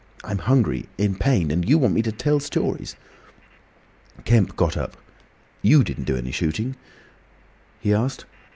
I'm hungry—in pain. And you want me to tell stories!" Kemp got up. "You didn't do any shooting?" he asked.